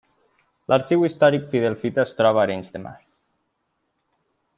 L’Arxiu Històric Fidel Fita es troba a Arenys de Mar.